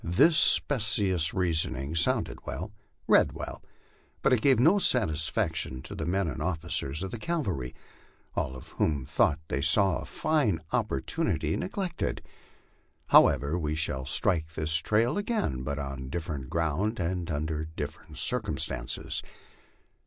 This specious rea soning sounded well read well but it gave no satisfaction to the men and officers of the cavalry, all of whom thought they saw a fine opportunity neg lected. However, we shall strike this trail again, but on different ground and under different circumstances.